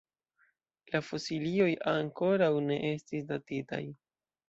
La fosilioj ankoraŭ ne estis datitaj.